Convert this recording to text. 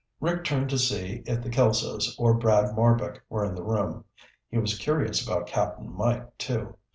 Rick turned to see if the Kelsos or Brad Marbek were in the room. He was curious about Cap'n Mike, too.